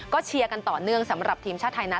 ก็เชียร์กันต่อเนื่องสำหรับทีมชาติไทยนะ